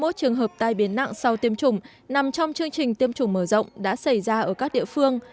hai mươi một trường hợp tai biến nặng sau tiêm chủng nằm trong chương trình tiêm chủng mở rộng đã xảy ra ở các địa phương